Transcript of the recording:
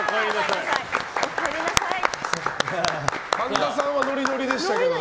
神田さんはノリノリでしたけどね。